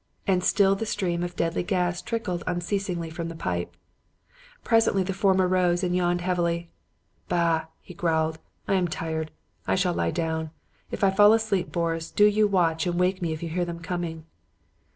"And still the stream of deadly gas trickled unceasingly from the pipe. "Presently the former rose and yawned heavily. 'Bah!' he growled, 'I am tired. I shall lie down. If I fall asleep, Boris, do you watch, and wake me if you hear them coming.'